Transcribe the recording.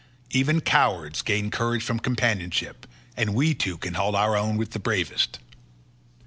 Even cowards gain courage from companionship, and we two can hold our own with the bravest."